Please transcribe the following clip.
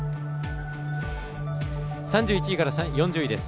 ３１位から４０位です。